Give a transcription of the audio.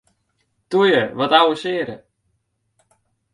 Toe ju, wat avensearje!